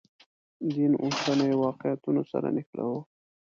دین اوسنیو واقعیتونو سره نښلوو.